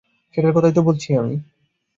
সেটার কথাই তো বলছি আমি।